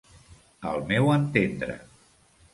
Al meu entendre.